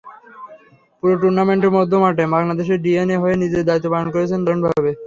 পুরো টুর্নামেন্টে মধ্যমাঠে বাংলাদেশের ডিএনএ হয়ে নিজের দায়িত্ব পালন করেছে দারুণভাবে।